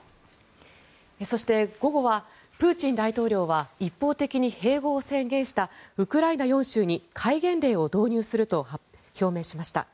そして、午後はプーチン大統領は一方的に併合を宣言したウクライナ４州に戒厳令を導入すると表明しました。